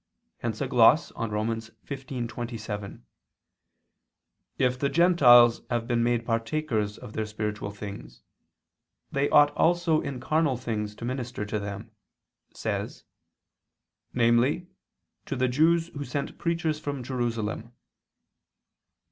Hence a gloss on Rom. 15:27, "If the Gentiles have been made partakers of their spiritual things, they ought also in carnal things to minister to them," says, "namely, to the Jews who sent preachers from Jerusalem."